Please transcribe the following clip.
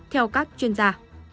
theo các chuyên gia